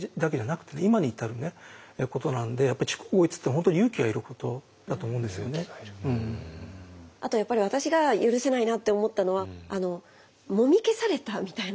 今に至ることなんでやっぱりあとやっぱり私が許せないなって思ったのはもみ消されたみたいな。